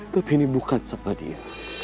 tapi ini bukan siapa dia